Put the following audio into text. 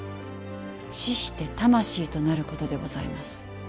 死して魂となることでございます。